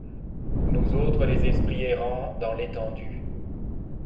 Nous autres les esprits errant dans l’étendue ;